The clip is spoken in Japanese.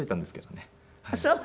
あっそう？